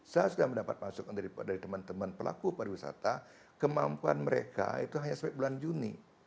saya sudah mendapat masukan dari teman teman pelaku pariwisata kemampuan mereka itu hanya sampai bulan juni